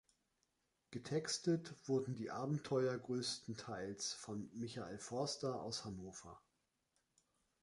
Getextet wurden die Abenteuer größtenteils von Michael Forster aus Hannover.